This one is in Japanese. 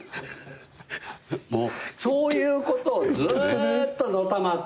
もうそういうことをずーっとのたまってる人。